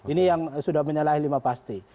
ini yang sudah menyalahi lima pasti